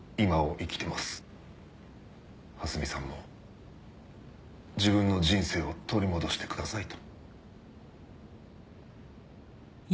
蓮見さんも自分の人生を取り戻してくださいと。